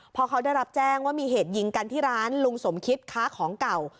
พอเขาได้รับแจ้งว่ามีเหตุยิงกันที่ร้านลุงสมคิดค้าของเก่า